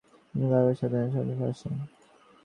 তিনি বাঘা যতীনের সংস্পর্শে আসেন।